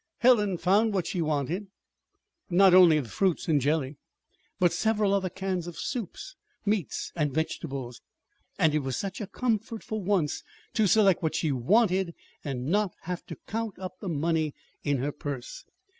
Helen found she wanted not only the fruits and jelly, but several other cans of soups, meats, and vegetables. And it was such a comfort, for once, to select what she wanted, and not have to count up the money in her purse!